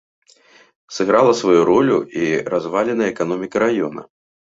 Сыграла сваю ролю і разваленая эканоміка раёна.